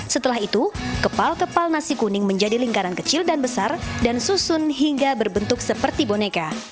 setelah itu kepal kepal nasi kuning menjadi lingkaran kecil dan besar dan susun hingga berbentuk seperti boneka